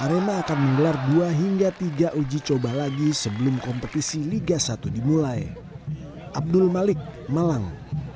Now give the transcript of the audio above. arema akan menggelar dua hingga tiga uji coba lagi sebelum kompetisi liga satu dimulai abdul malik malang